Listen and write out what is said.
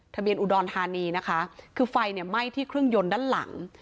อุดรธานีนะคะคือไฟเนี่ยไหม้ที่เครื่องยนต์ด้านหลัง